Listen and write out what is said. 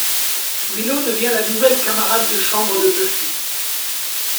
Willow devient la nouvelle camarade de chambre de Buffy.